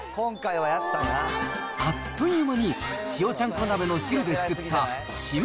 あっという間に、塩ちゃんこ鍋の汁で作った締め